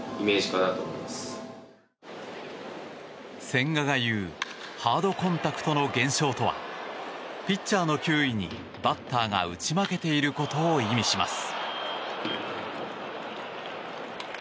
千賀が言うハードコンタクトの現象とはピッチャーの球威にバッターが打ち負けていることを意味します。